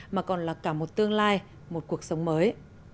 mà còn là cả một tương lai một cuộc sống mới